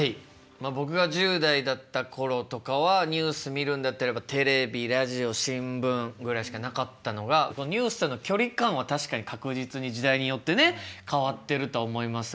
まあ僕が１０代だった頃とかはニュース見るんだったらテレビラジオ新聞ぐらいしかなかったのがニュースとの距離感は確かに確実に時代によってね変わってるとは思いますが。